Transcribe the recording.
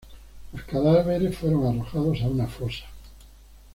Los cadáveres fueron arrojados a una fosa.